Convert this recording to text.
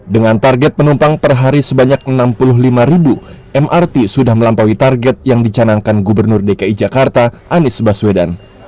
dengan target penumpang per hari sebanyak enam puluh lima ribu mrt sudah melampaui target yang dicanangkan gubernur dki jakarta anies baswedan